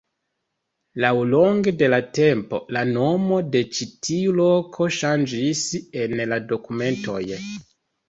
Laŭlonge de la tempo, la nomo de ĉi tiu loko ŝanĝis en la dokumentoj.